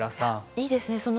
いいですね。